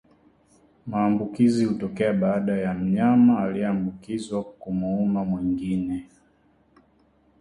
Maambukizi hutokea baada ya mnyama aliyeambukizwa kumuuma mwingine